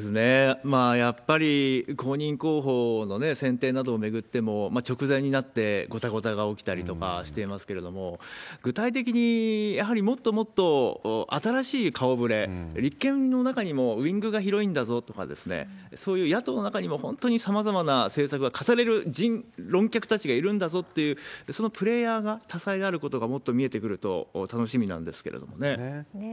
やっぱり公認候補の選定などを巡っても、直前になってごたごたが起きたりとかしていますけれども、具体的にやはりもっともっと新しい顔ぶれ、立憲の中にもウイングが広いんだぞとか、そういう野党の中にも本当にさまざまな政策が語れる論客たちがいるんだぞという、そのプレーヤーが多彩であることがもっと見えてくると楽しみなんそうですね。